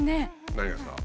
何がですか？